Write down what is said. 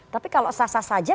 tapi kalau sah sah saja